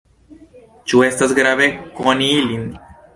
Ĉu estas grave koni ilin?